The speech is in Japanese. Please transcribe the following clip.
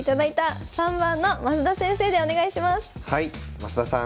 増田さん